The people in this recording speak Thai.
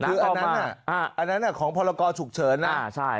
คืออันนั้นของพรกรฉุกเฉินนะ